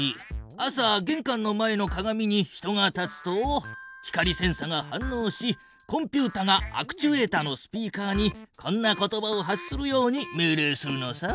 朝げんかんの前の鏡に人が立つと光センサが反のうしコンピュータがアクチュエータのスピーカーにこんな言葉を発するように命令するのさ。